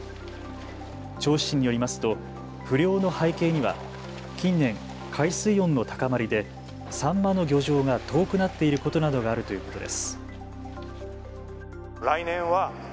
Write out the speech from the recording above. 銚子市によりますと不漁の背景には近年、海水温の高まりでサンマの漁場が遠くなっていることなどがあるということです。